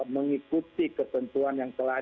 mengikuti ketentuan yang telah